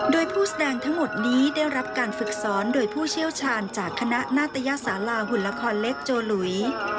โดยผู้แสดงทั้งหมดนี้ได้รับการฝึกสอนโดยผู้เชี่ยวชาญจากคณะนาตยสาราหุ่นละครเล็กโจหลุย